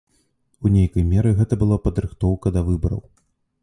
У нейкай меры гэта была падрыхтоўка да выбараў.